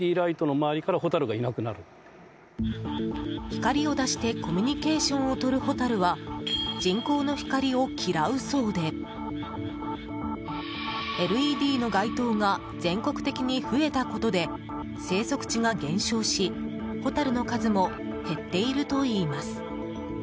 光を出してコミュニケーションをとるホタルは人工の光を嫌うそうでＬＥＤの街灯が全国的に増えたことで生息地が減少し、ホタルの数も減っているといいます。